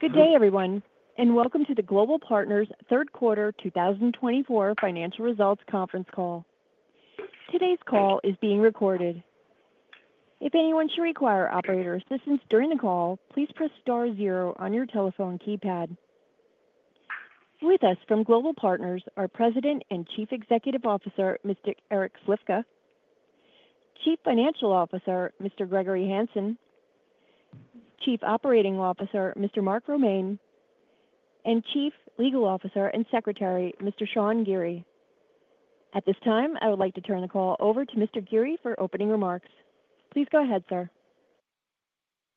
Good day, everyone, and welcome to the Global Partners Third Quarter 2024 Financial Results Conference Call. Today's call is being recorded. If anyone should require operator assistance during the call, please press star zero on your telephone keypad. With us from Global Partners are President and Chief Executive Officer Mr. Eric Slifka, Chief Financial Officer Mr. Gregory Hanson, Chief Operating Officer Mr. Mark Romaine, and Chief Legal Officer and Secretary Mr. Sean Geary. At this time, I would like to turn the call over to Mr. Geary for opening remarks. Please go ahead, sir.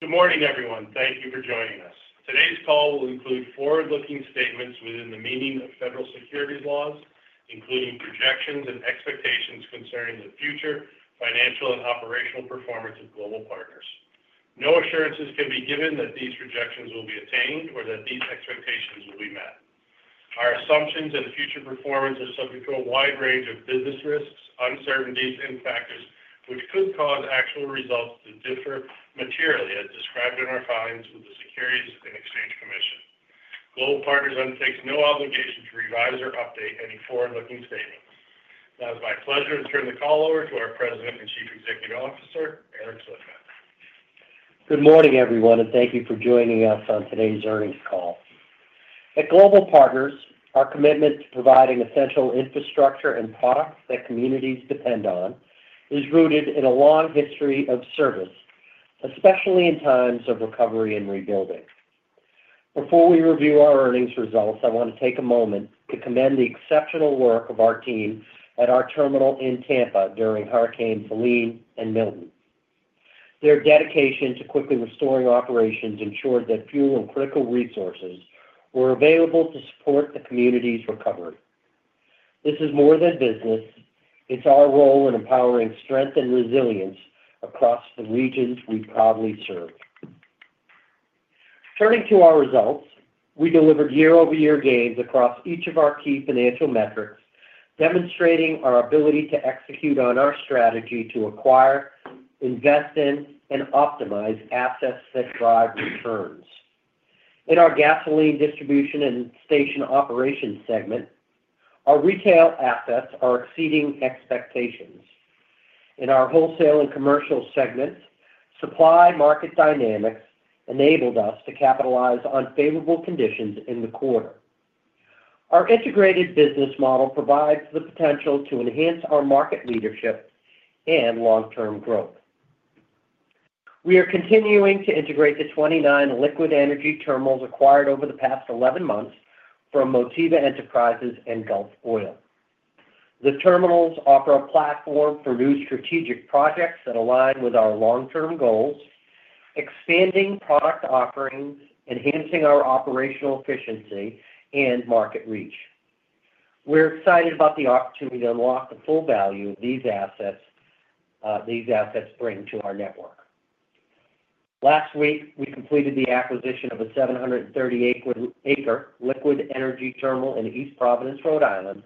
Good morning, everyone. Thank you for joining us. Today's call will include forward-looking statements within the meaning of federal securities laws, including projections and expectations concerning the future financial and operational performance of Global Partners. No assurances can be given that these projections will be attained or that these expectations will be met. Our assumptions and future performance are subject to a wide range of business risks, uncertainties, and factors which could cause actual results to differ materially as described in our filings with the Securities and Exchange Commission. Global Partners undertakes no obligation to revise or update any forward-looking statements. Now, it's my pleasure to turn the call over to our President and Chief Executive Officer, Eric Slifka. Good morning, everyone, and thank you for joining us on today's earnings call. At Global Partners, our commitment to providing essential infrastructure and products that communities depend on is rooted in a long history of service, especially in times of recovery and rebuilding. Before we review our earnings results, I want to take a moment to commend the exceptional work of our team at our terminal in Tampa during Hurricanes Helene and Milton. Their dedication to quickly restoring operations ensured that fuel and critical resources were available to support the community's recovery. This is more than business. It's our role in empowering strength and resilience across the regions we proudly serve. Turning to our results, we delivered year-over-year gains across each of our key financial metrics, demonstrating our ability to execute on our strategy to acquire, invest in, and optimize assets that drive returns. In our Gasoline Distribution and Station Operations segment, our retail assets are exceeding expectations. In our Wholesale and Commercial segments, supply-market dynamics enabled us to capitalize on favorable conditions in the quarter. Our integrated business model provides the potential to enhance our market leadership and long-term growth. We are continuing to integrate the 29 liquid energy terminals acquired over the past 11 months from Motiva Enterprises and Gulf Oil. The terminals offer a platform for new strategic projects that align with our long-term goals, expanding product offerings, enhancing our operational efficiency, and market reach. We're excited about the opportunity to unlock the full value of these assets bring to our network. Last week, we completed the acquisition of a 730-acre liquid energy terminal in East Providence, Rhode Island,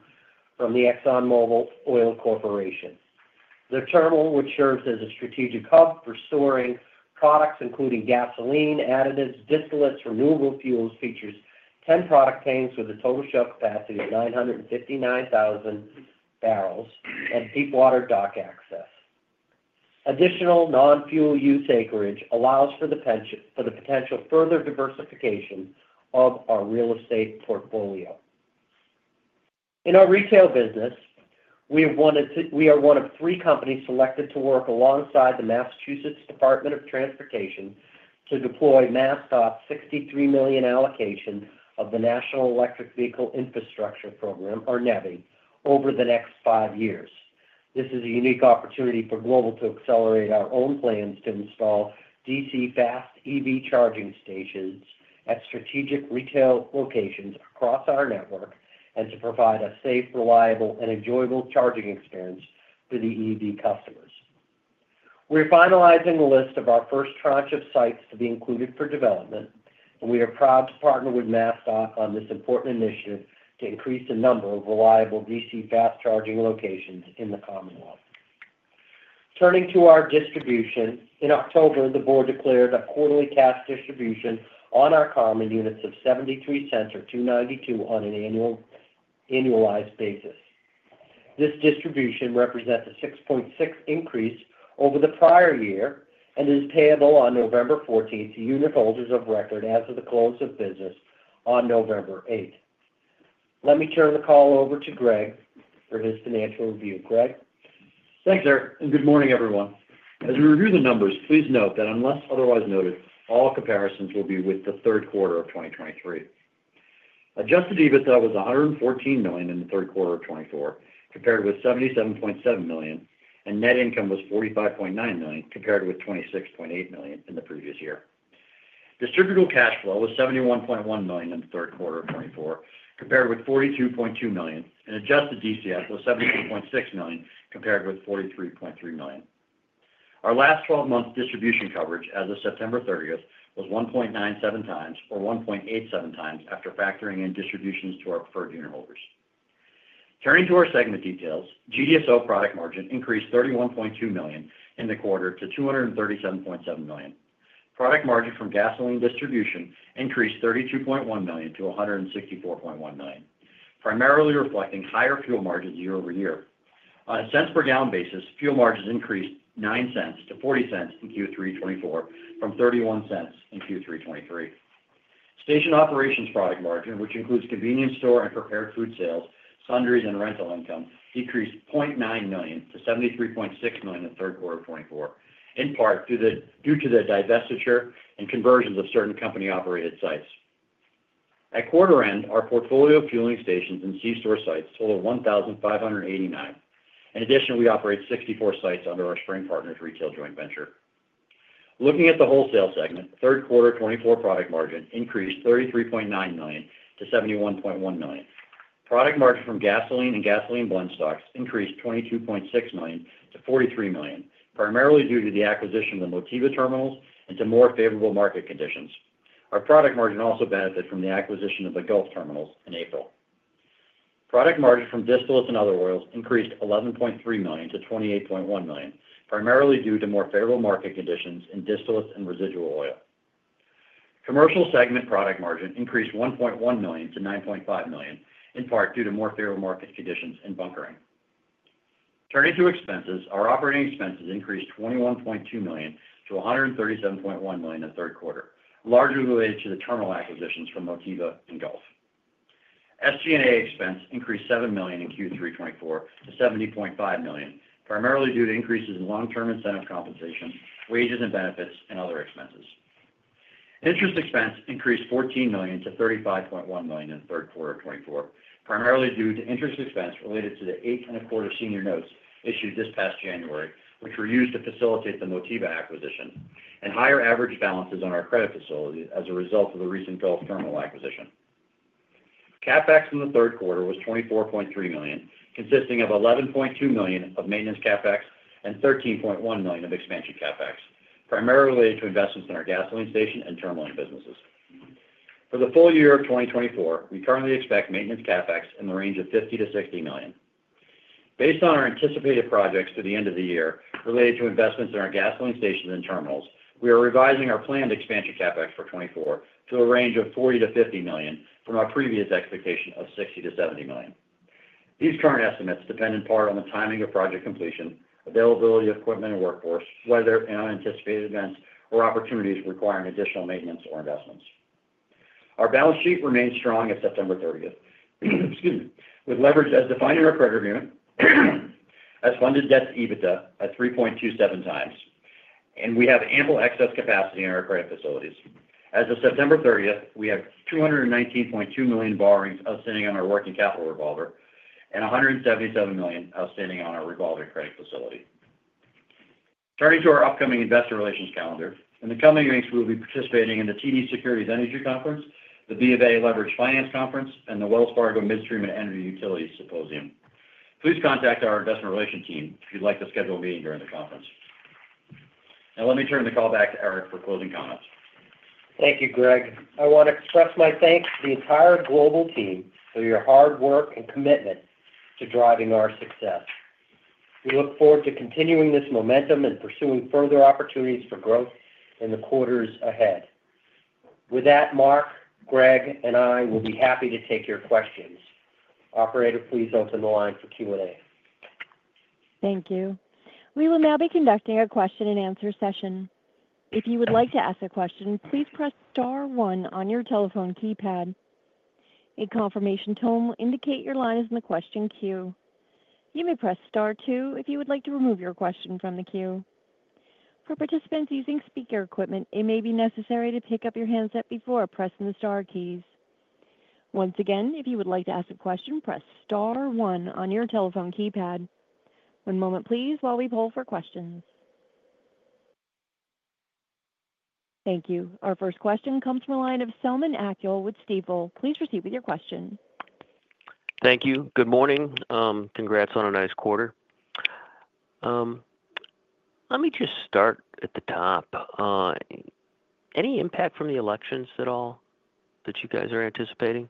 from the ExxonMobil Oil Corporation. The terminal, which serves as a strategic hub for storing products including gasoline, additives, distillates, renewable fuels, features 10 product tanks with a total shell capacity of 959,000 barrels and deep-water dock access. Additional non-fuel use acreage allows for the potential further diversification of our real estate portfolio. In our retail business, we are one of three companies selected to work alongside the Massachusetts Department of Transportation to deploy MassDOT's $63 million allocation of the National Electric Vehicle Infrastructure Program, or NEVI, over the next five years. This is a unique opportunity for Global to accelerate our own plans to install DC fast EV charging stations at strategic retail locations across our network and to provide a safe, reliable, and enjoyable charging experience for the EV customers. We're finalizing the list of our first tranche of sites to be included for development, and we are proud to partner with MassDOT on this important initiative to increase the number of reliable DC fast charging locations in the Commonwealth. Turning to our distribution, in October, the board declared a quarterly cash distribution on our Common Units of $0.73 or $2.92 on an annualized basis. This distribution represents a 6.6% increase over the prior year and is payable on November 14th to unitholders of record as of the close of business on November 8th. Let me turn the call over to Greg for his financial review. Greg. Thanks, Eric. And good morning, everyone. As we review the numbers, please note that unless otherwise noted, all comparisons will be with the third quarter of 2023. Adjusted EBITDA was $114 million in the third quarter of 2024, compared with $77.7 million, and net income was $45.9 million compared with $26.8 million in the previous year. Distributable cash flow was $71.1 million in the third quarter of 2024, compared with $42.2 million, and adjusted DCF was $72.6 million compared with $43.3 million. Our last 12-month distribution coverage as of September 30th was 1.97 times or 1.87 times after factoring in distributions to our preferred unitholders. Turning to our segment details, GDSO product margin increased $31.2 million in the quarter to $237.7 million. Product margin from gasoline distribution increased $32.1 million to $164.1 million, primarily reflecting higher fuel margins year over year. On a cents per gallon basis, fuel margins increased $0.09 to $0.40 in Q3 2024 from $0.31 in Q3 2023. Station Operations product margin, which includes convenience store and prepared food sales, sundries, and rental income, decreased $0.9 million to $73.6 million in the third quarter of 2024, in part due to the divestiture and conversions of certain company-operated sites. At quarter end, our portfolio of fueling stations and C-store sites total 1,589. In addition, we operate 64 sites under our Spring Partners retail joint venture. Looking at the Wholesale segment, third quarter 2024 product margin increased $33.9 million to $71.1 million. Product margin from gasoline and gasoline blendstocks increased $22.6 million to $43 million, primarily due to the acquisition of the Motiva terminals and to more favorable market conditions. Our product margin also benefited from the acquisition of the Gulf terminals in April. Product margin from distillates and other oils increased $11.3 million to $28.1 million, primarily due to more favorable market conditions in distillates and residual oil. Commercial segment product margin increased $1.1 million to $9.5 million, in part due to more favorable market conditions in bunkering. Turning to expenses, our operating expenses increased $21.2 million to $137.1 million in the third quarter, largely related to the terminal acquisitions from Motiva and Gulf. SG&A expense increased $7 million in Q3 2024 to $70.5 million, primarily due to increases in long-term incentive compensation, wages and benefits, and other expenses. Interest expense increased $14 million to $35.1 million in the third quarter of 2024, primarily due to interest expense related to the eight and a quarter senior notes issued this past January, which were used to facilitate the Motiva acquisition, and higher average balances on our credit facility as a result of the recent Gulf terminal acquisition. CapEx in the third quarter was $24.3 million, consisting of $11.2 million of maintenance CapEx and $13.1 million of expansion CapEx, primarily related to investments in our gasoline station and terminaling businesses. For the full year of 2024, we currently expect maintenance CapEx in the range of $50 million to $60 million. Based on our anticipated projects to the end of the year related to investments in our gasoline stations and terminals, we are revising our planned expansion CapEx for 2024 to a range of $40-50 million from our previous expectation of $60-70 million. These current estimates depend in part on the timing of project completion, availability of equipment and workforce, weather, and unanticipated events or opportunities requiring additional maintenance or investments. Our balance sheet remains strong at September 30th, with leverage as defined in our credit agreement, as funded debt to EBITDA at 3.27 times, and we have ample excess capacity in our credit facilities. As of September 30th, we have $219.2 million borrowings outstanding on our working capital revolver and $177 million outstanding on our revolving credit facility. Turning to our upcoming investor relations calendar, in the coming weeks, we will be participating in the TD Securities Energy Conference, the BofA Leveraged Finance Conference, and the Wells Fargo Midstream and Energy Utilities Symposium. Please contact our investor relations team if you'd like to schedule a meeting during the conference. Now, let me turn the call back to Eric for closing comments. Thank you, Greg. I want to express my thanks to the entire Global team for your hard work and commitment to driving our success. We look forward to continuing this momentum and pursuing further opportunities for growth in the quarters ahead. With that, Mark, Greg, and I will be happy to take your questions. Operator, please open the line for Q&A. Thank you. We will now be conducting a question-and-answer session. If you would like to ask a question, please press star one on your telephone keypad. A confirmation tone will indicate your line is in the question queue. You may press star two if you would like to remove your question from the queue. For participants using speaker equipment, it may be necessary to pick up your handset before pressing the star keys. Once again, if you would like to ask a question, press star one on your telephone keypad. One moment, please, while we poll for questions. Thank you. Our first question comes from a line of Selman Akyol with Stifel. Please proceed with your question. Thank you. Good morning. Congrats on a nice quarter. Let me just start at the top. Any impact from the elections at all that you guys are anticipating?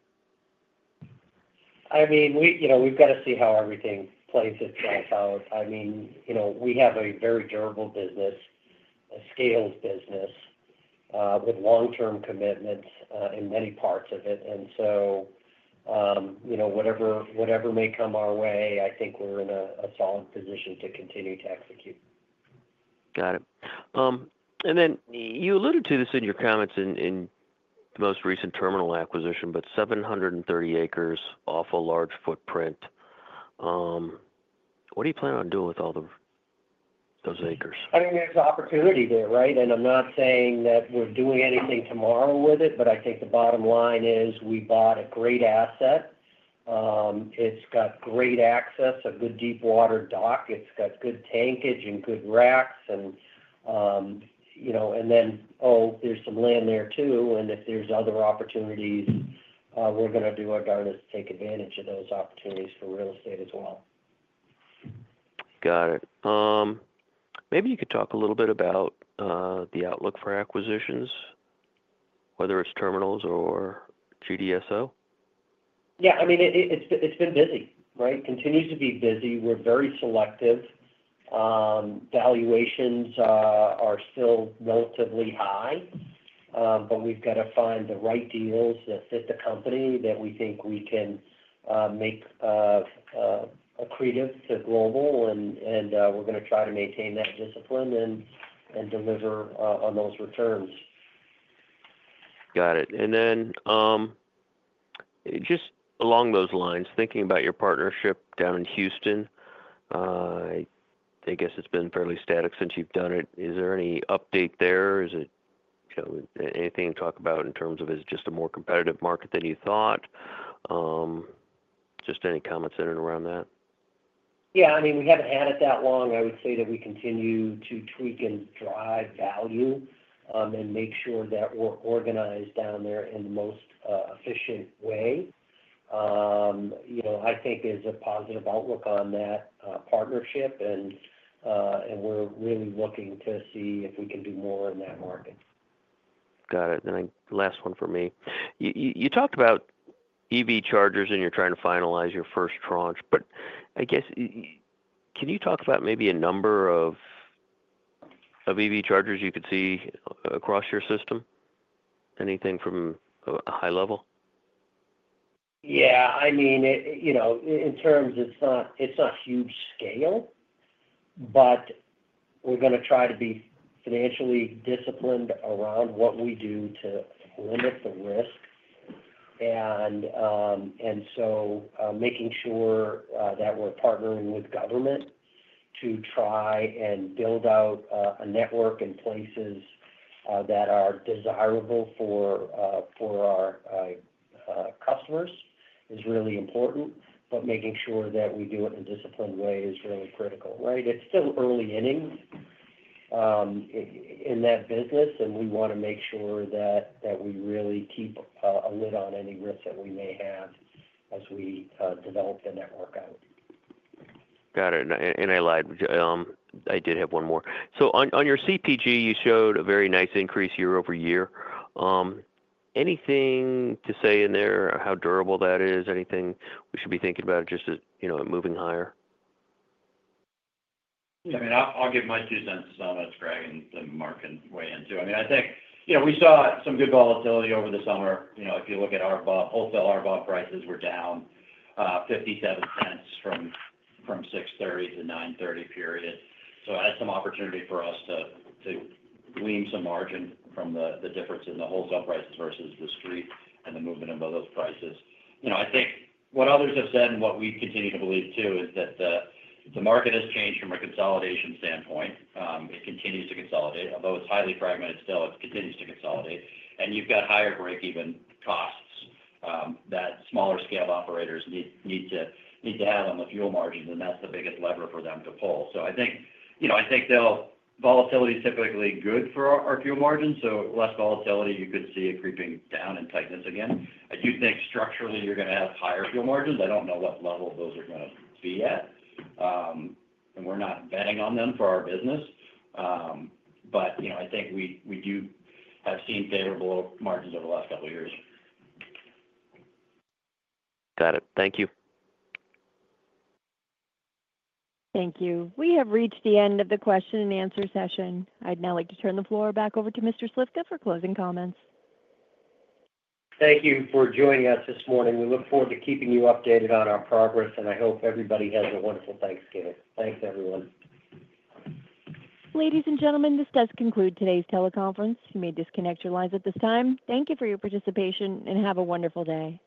I mean, we've got to see how everything plays itself out. I mean, we have a very durable business, a scaled business with long-term commitments in many parts of it. And so whatever may come our way, I think we're in a solid position to continue to execute. Got it. And then you alluded to this in your comments in the most recent terminal acquisition, but 730 acres, awful large footprint. What do you plan on doing with all those acres? I mean, there's an opportunity there, right? And I'm not saying that we're doing anything tomorrow with it, but I think the bottom line is we bought a great asset. It's got great access, a good deep-water dock. It's got good tankage and good racks. And then, oh, there's some land there too. And if there's other opportunities, we're going to do our darnedest to take advantage of those opportunities for real estate as well. Got it. Maybe you could talk a little bit about the outlook for acquisitions, whether it's terminals or GDSO? Yeah. I mean, it's been busy, right? Continues to be busy. We're very selective. Valuations are still relatively high, but we've got to find the right deals that fit the company that we think we can make accretive to Global, and we're going to try to maintain that discipline and deliver on those returns. Got it. And then just along those lines, thinking about your partnership down in Houston, I guess it's been fairly static since you've done it. Is there any update there? Is it anything to talk about in terms of, is it just a more competitive market than you thought? Just any comments in and around that? Yeah. I mean, we haven't had it that long. I would say that we continue to tweak and drive value and make sure that we're organized down there in the most efficient way. I think there's a positive outlook on that partnership, and we're really looking to see if we can do more in that market. Got it. And then last one for me. You talked about EV chargers, and you're trying to finalize your first tranche, but I guess can you talk about maybe a number of EV chargers you could see across your system? Anything from a high level? Yeah. I mean, in terms of, it's not huge scale, but we're going to try to be financially disciplined around what we do to limit the risk. And so making sure that we're partnering with government to try and build out a network in places that are desirable for our customers is really important, but making sure that we do it in a disciplined way is really critical, right? It's still early innings in that business, and we want to make sure that we really keep a lid on any risks that we may have as we develop the network out. Got it. And I lied. I did have one more. So on your CPG, you showed a very nice increase year over year. Anything to say in there how durable that is? Anything we should be thinking about just moving higher? I mean, I'll give my two cents to Selman, Greg, and then Mark can weigh in too. I mean, I think we saw some good volatility over the summer. If you look at our wholesale RBOB prices, we're down $0.57 from 6/30 to 9/30 period. So it had some opportunity for us to glean some margin from the difference in the wholesale prices versus the street and the movement of those prices. I think what others have said and what we continue to believe too is that the market has changed from a consolidation standpoint. It continues to consolidate. Although it's highly fragmented still, it continues to consolidate, and you've got higher break-even costs that smaller scale operators need to have on the fuel margins, and that's the biggest lever for them to pull. So I think volatility is typically good for our fuel margins. So, less volatility. You could see it creeping down in tightness again. I do think structurally you're going to have higher fuel margins. I don't know what level those are going to be at, and we're not betting on them for our business. But I think we do have seen favorable margins over the last couple of years. Got it. Thank you. Thank you. We have reached the end of the question and answer session. I'd now like to turn the floor back over to Mr. Slifka for closing comments. Thank you for joining us this morning. We look forward to keeping you updated on our progress, and I hope everybody has a wonderful Thanksgiving. Thanks, everyone. Ladies and gentlemen, this does conclude today's teleconference. You may disconnect your lines at this time. Thank you for your participation, and have a wonderful day.